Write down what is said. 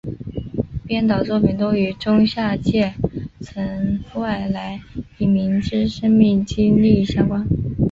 编导作品多与中下阶层及外来移民之生命经历相关。